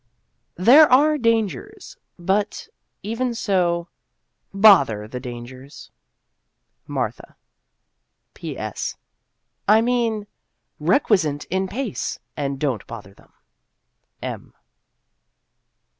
There are " dangers," but Even so, Bother the "dangers"! MARTHA. P. S. I mean " Requiescant in pace," and don't bother them. M.